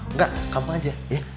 enggak kamu aja ya